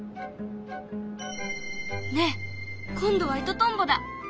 ねえ今度はイトトンボだ。